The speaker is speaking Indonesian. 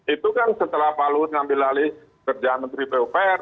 itu kan setelah palu mengambil alih kerjaan menteri pupr